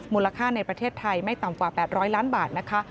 ในประเทศไทยไม่ต่ำกว่า๘๐๐ล้านบาทนะคะ